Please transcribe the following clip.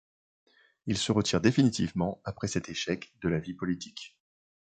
Il se retire définitivement, après cet échec, de la vie politique.